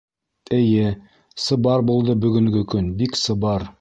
Эйе, сыбар булды бөгөнгө көн, бик сыбар...